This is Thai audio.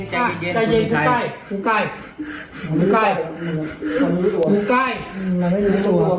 หยิบเย็นใจเย็นอีกไก่นายไม่รู้สวน